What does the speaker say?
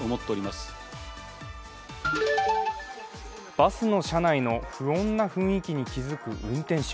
バスの車内の不穏な雰囲気に気付く運転手。